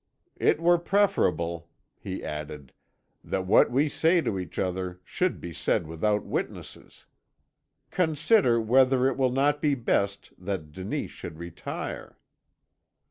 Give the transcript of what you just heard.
"'It were preferable,' he added, 'that what we say to each other should be said without witnesses. Consider whether it will not be best that Denise should retire.'